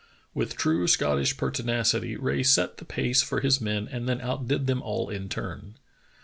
With true Scottish pertinacity , R.ae set the pace for his men and then outdid them all in turn.